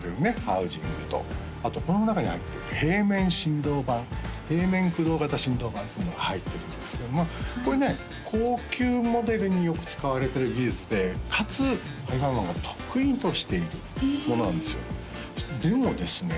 ハウジングとあとこの中に入ってる平面振動板平面駆動振動板っていうのが入ってるんですけどもこれね高級モデルによく使われてる技術でかつＨＩＦＩＭＡＮが得意としているものなんですよでもですね